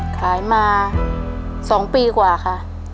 ขายมา๒ปีกว่าค่ะ